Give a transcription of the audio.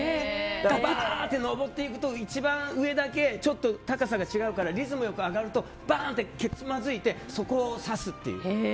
ダーッと上っていくと一番上だけちょっと高さが違うからリズムよく上がるとけつまずいてそこを刺すっていう。